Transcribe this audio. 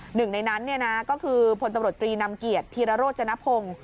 หนึ่งในนั้นเนี้ยนะก็คือพลตำรวจกรีนำเกียจธีรโรจนพง